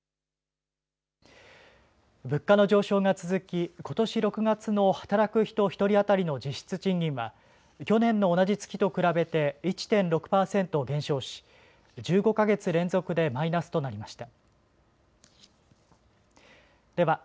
物価の上昇が続きことし６月の働く人１人当たりの実質賃金は去年の同じ月と比べて１．６％減少し１５か月連続でマイナスとなりました。